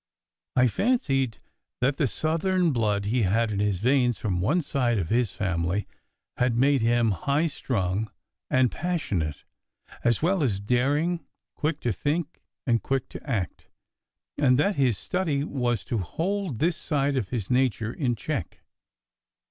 I fancied that the Southern blood he had in his veins from one side of his family had made him high strung and passionate, as well as daring, quick to think, and quick to act; and that his study was to hold this side of his nature in check.